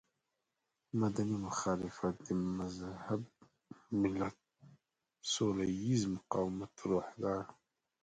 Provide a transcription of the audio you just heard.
مدني مخالفت د مهذب ملت سوله ييز مقاومت روح دی.